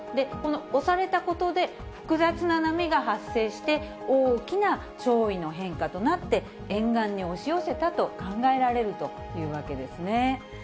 この押されたことで、複雑な波が発生して、大きな潮位の変化となって、沿岸に押し寄せたと考えられるというわけですね。